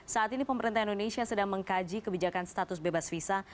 saat ini pemerintah indonesia sedang mengkaji kebijakan status bebas visa